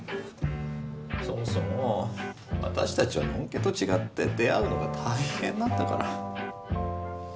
そもそも私たちはノンケと違って出会うのが大変なんだから。